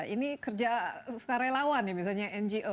ini kerja sukarelawan ya misalnya ngo